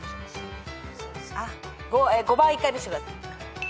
５番１回見せてください。